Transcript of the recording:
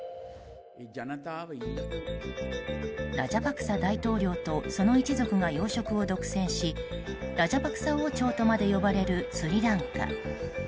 ラジャパクサ大統領とその一族が要職を独占しラジャパクサ王朝とまで呼ばれるスリランカ。